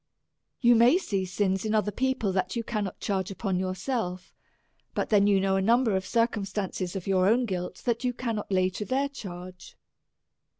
You may see sins in other people, that you cannot charge upon yourself; but then you know a number of circum stances of your own guilt that you cannot lay to their charge.